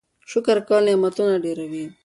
شکر کول نعمتونه ډیروي.